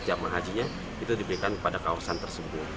jamah hajinya itu diberikan pada kawasan tersebut